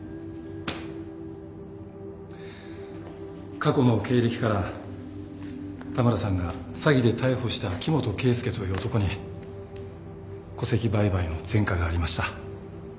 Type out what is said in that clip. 過去の経歴から田村さんが詐欺で逮捕した木本啓介という男に戸籍売買の前科がありました。